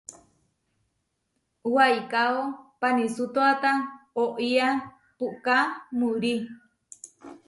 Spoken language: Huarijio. Waikáo panisútoata oʼía puʼká murí.